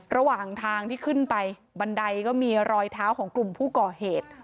ระหว่างทางที่ขึ้นไปบันไดก็มีรอยเท้าของกลุ่มผู้ก่อเหตุ